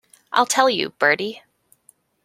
I'll tell you, Bertie.